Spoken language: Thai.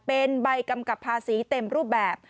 เป็นใบกำกับภาษีเต็มรูปแบบ